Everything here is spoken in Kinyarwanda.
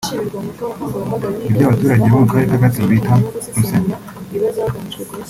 Ibyo aba baturage bo mu Karere ka Gatsibo bita pourcent